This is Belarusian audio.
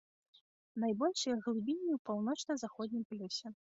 Найбольшыя глыбіні ў паўночна-заходнім плёсе.